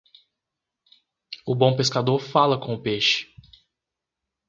O bom pescador fala com o peixe.